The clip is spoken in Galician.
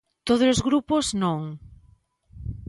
Todos os grupos, non.